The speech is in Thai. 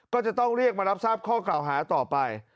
ก็จะต้องเรียกมารับทราบข้อกล่าวหาต่อไป